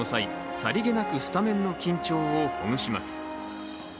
さりげなくスタメンの緊張をほぐします。